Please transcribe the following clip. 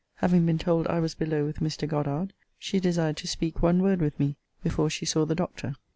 Having been told I was below with Mr. Goddard, she desired to speak one word with me, before she saw the Doctor.